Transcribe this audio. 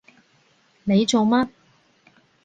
你做乜？